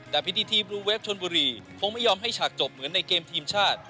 แต่พิธีทีบลูเวฟชนบุรีคงไม่ยอมให้ฉากจบเหมือนในเกมทีมชาติ